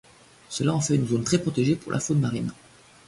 Cela en fait une zone très protégée pour la faune marine.